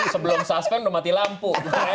sebelum suspend udah mati lampu